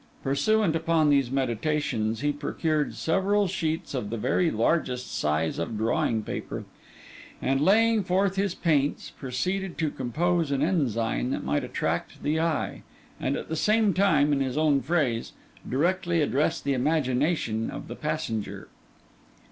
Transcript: Pursuant upon these meditations, he procured several sheets of the very largest size of drawing paper; and laying forth his paints, proceeded to compose an ensign that might attract the eye, and at the same time, in his own phrase, directly address the imagination of the passenger.